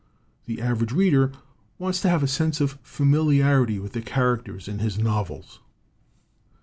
The average reader wants to have a sense of familiarity with the characters in his novels."